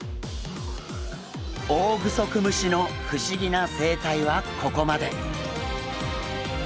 オオグソクムシの不思議な生態はここまで。